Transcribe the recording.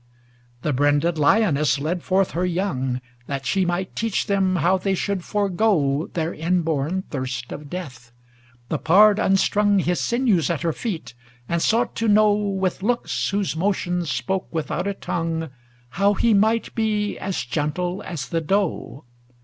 VII The briuded lioness led forth her young, That she might teach them how they should forego Their inborn thirst of death; the pard un strung His sinews at her feet, and sought to know, With looks whose motions spoke without a tongue. How he might be as gentle as the doe.